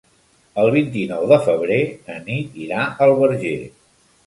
El vint-i-nou de febrer na Nit irà al Verger.